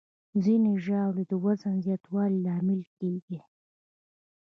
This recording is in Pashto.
ځینې ژاولې د وزن زیاتوالي لامل کېږي.